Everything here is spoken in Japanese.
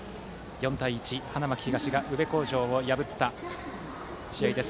４対１、花巻東が宇部鴻城を破った試合です。